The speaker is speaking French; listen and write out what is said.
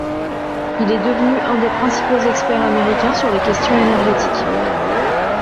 Il est devenu un des principaux experts américains sur les questions énergétiques.